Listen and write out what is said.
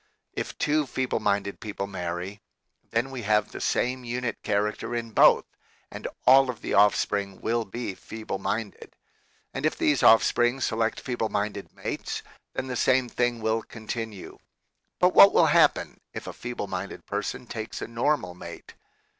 If two feeble minded people marry, then we have the same unit character in both, and all of the offspring will be feeble minded ; and if these offspring select feeble minded mates, then the same thing will continue. But what will happen if a feeble minded person takes a normal mate